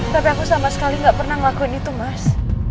tapi aku sama sekali nggak pernah ngelakuin itu mas